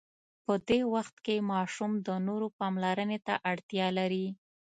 په دې وخت کې ماشوم د نورو پاملرنې ته اړتیا لري.